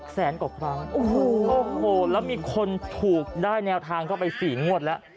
แสนกว่าครั้งโอ้โหแล้วมีคนถูกได้แนวทางเข้าไป๔งวดแล้ว